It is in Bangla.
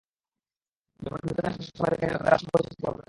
যেমনটা, ভৃত্যদের আশেপাশে সবসময় দেখা গেলেও তাদের আসল পরিচয় থাকে অজ্ঞাত।